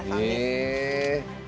へえ。